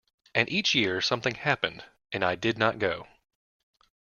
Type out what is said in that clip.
And each year something happened, and I did not go.